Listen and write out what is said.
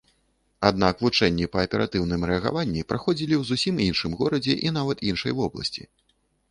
Аднак вучэнні па аператыўным рэагаванні праходзілі ў зусім іншым горадзе, і нават іншай вобласці.